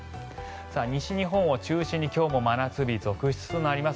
西日本を中心に今日も真夏日続出となります。